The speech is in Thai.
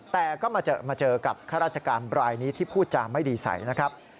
แต่ก็มาเจอกับข้าราชการบรายนี้ที่พูดจาไม่ดีใสนะครับ